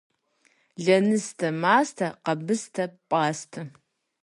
Лэныстэ, мастэ, къэбыстэ, пӏастэ.